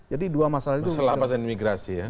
jadi dua masalah itu masalah lapas dan imigrasi ya